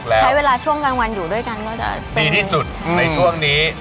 ใช้เวลาช่วงกลางวันอยู่ด้วยกันก็จะดีที่สุดในช่วงนี้